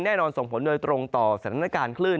แน่นอนส่งผลโดยตรงต่อสถานการณ์คลื่น